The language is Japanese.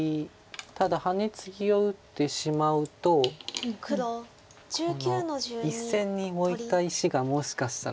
ただハネツギを打ってしまうとこの１線にもう一回石がもしかしたら。